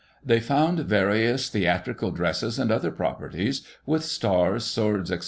They found various theatrical dresses and other properties, with stars, swords, etc.